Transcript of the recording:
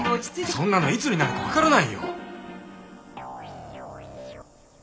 そんなのいつになるか分からないよ。